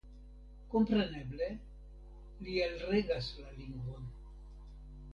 Kompreneble li elregas la lingvon.